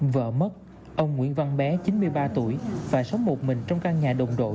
vợ mất ông nguyễn văn bé chín mươi ba tuổi phải sống một mình trong căn nhà đồng đội